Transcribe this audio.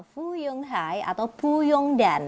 fuyung hai atau fuyung dan